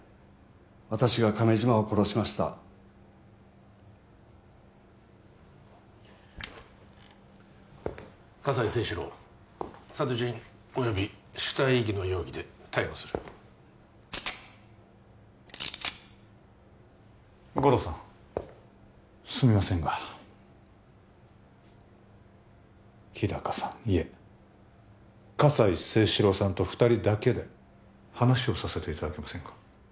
私が亀島を殺しました葛西征四郎殺人および死体遺棄の容疑で逮捕する護道さんすみませんが日高さんいえ葛西征四郎さんと二人だけで話をさせていただけませんか？